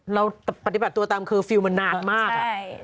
เราปฏิบัติตัวตามเคอร์ฟิลล์มันนานมาก